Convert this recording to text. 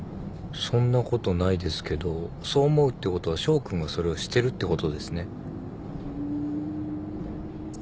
そんなことないですけどそう思うってことは翔君がそれをしてるってことですね。